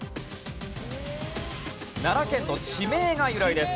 奈良県の地名が由来です。